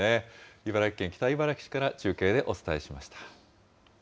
茨城県北茨城市から中継でお伝えしました。